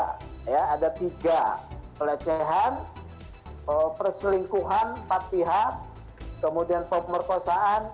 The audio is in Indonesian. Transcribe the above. kelecehan perselingkuhan empat pihak kemudian pemerkosaan